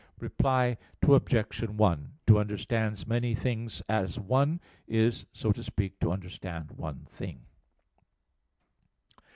Reply Obj. 1: To understand many things as one, is, so to speak, to understand one thing.